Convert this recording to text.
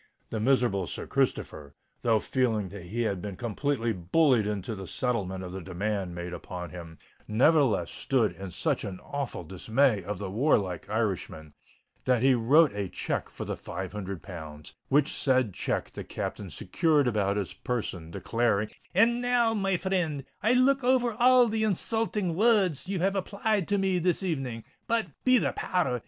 The miserable Sir Christopher, though feeling that he had been completely bullied into the settlement of the demand made upon him, nevertheless stood in such awful dismay of the warlike Irishman, that he wrote a cheque for the five hundred pounds, which said cheque the Captain secured about his person, exclaiming, "And now, my frind, I'll look over all the insulting words ye have applied to me this evening. But, be the power r s!